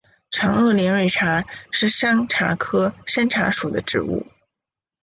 长萼连蕊茶是山茶科山茶属的植物。